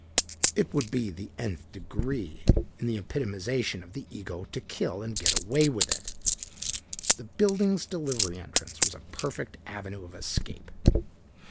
It would be the nth degree in the epitomization of the ego to kill and get away with it. The building's delivery entrance was a perfect avenue of escape.